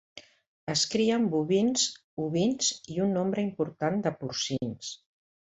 Es crien bovins, ovins i un nombre important de porcins.